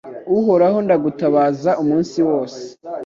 Uhoraho ndagutabaza umunsi wose